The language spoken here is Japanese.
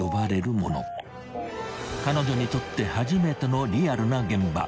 ［彼女にとって初めてのリアルな現場］